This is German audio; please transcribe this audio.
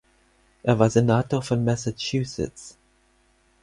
Er war Senator von Massachusetts.